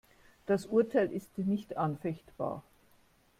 Das Urteil ist nicht anfechtbar.